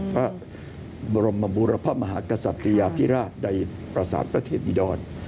พระบรมบูรพมหากษัตยาพิราชในประสานประเทศอิดร